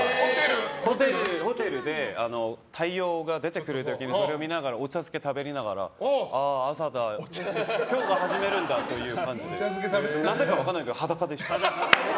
ホテルで、太陽が出てくる時にそれを見ながらお茶漬け食べながらああ、朝だ今日が始まるんだという感じでなぜか分からないですけど裸でした。